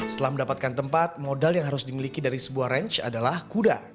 setelah mendapatkan tempat modal yang harus dimiliki dari sebuah range adalah kuda